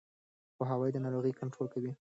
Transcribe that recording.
پوهاوی د ناروغۍ کنټرول کوي.